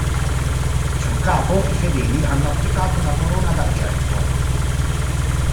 Sul capo i fedeli hanno applicato una corona d'argento.